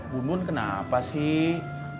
bun bun kenapa sih